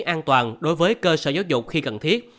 an toàn đối với cơ sở giáo dục khi cần thiết